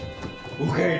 おかえり！